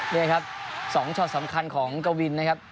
นี่ครับ๒ช็อตสำคัญของกวินนะครับ